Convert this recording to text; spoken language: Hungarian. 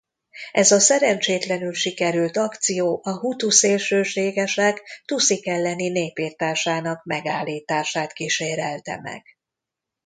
Ez a szerencsétlenül sikerült akció a hutu szélsőségesek tuszik elleni népirtásának megállítását kísérelte meg.